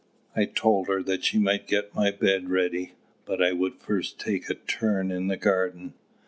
I told her that she might get my bed ready, but I would first take a turn in the garden.